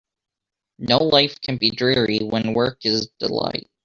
No life can be dreary when work is a delight.